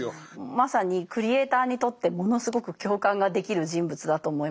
まさにクリエーターにとってものすごく共感ができる人物だと思います。